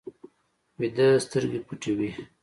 ویده سترګې پټې وي